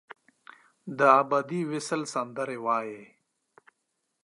دابدي وصل سندرې وایې